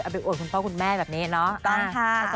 เอาไปโอดคุณเป้าคุณแม่แบบนี้เนอะอ่าสมมตินะครับนะครับ